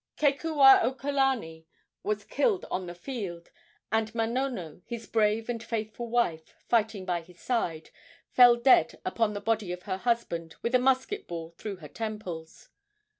Kekuaokalani was killed on the field, and Manono, his brave and faithful wife, fighting by his side, fell dead upon the body of her husband with a musket ball through her temples.